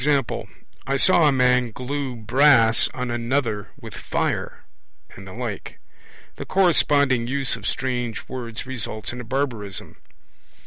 'I saw a man glue brass on another with fire', and the like. The corresponding use of strange words results in a barbarism.